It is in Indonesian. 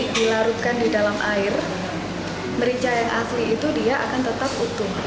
dilarutkan di dalam air merica yang asli itu dia akan tetap utuh